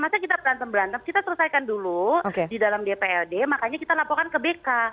masa kita berantem berantem kita selesaikan dulu di dalam dprd makanya kita laporkan ke bk